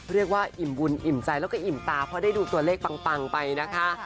เรียกว่าอิ่มบุญอิ่มใจแล้วก็อิ่มตาเพราะได้ดูตัวเลขปังไปนะคะ